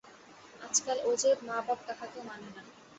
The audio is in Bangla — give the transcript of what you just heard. আজকাল ও যে মা বাপ কাহাকেও মানে না।